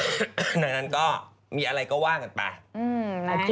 ดังนั้นก็มีอะไรก็ว่ากันไป